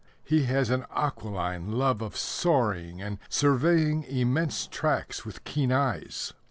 He has an aquiline love of soaring and surveying immense tracts with keen eyes.